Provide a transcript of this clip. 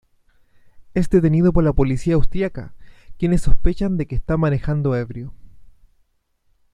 Es detenido por la policía austriaca, quienes sospechan de que está manejando ebrio.